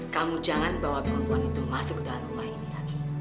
kamu jangan bawa perempuan itu masuk ke dalam rumah ini lagi